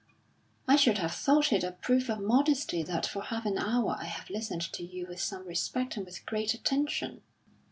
"I should have thought it a proof of modesty that for half an hour I have listened to you with some respect and with great attention."